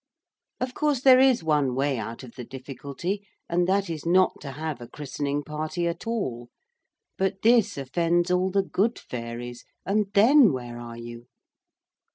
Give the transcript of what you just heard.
Of course there is one way out of the difficulty, and that is not to have a christening party at all. But this offends all the good fairies, and then where are you?